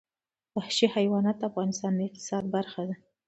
وحشي حیوانات د افغانستان د اقتصاد برخه ده.